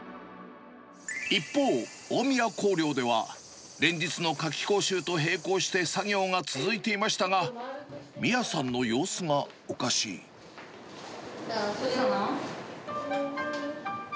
一方、大宮光陵では、連日の夏期講習と並行して作業が続いていましたが、みあさんの様どうしたの？